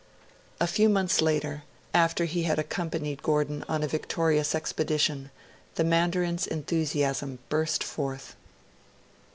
A few months later, after he had accompanied Gordon on a victorious expedition, the Mandarin's enthusiasm burst forth.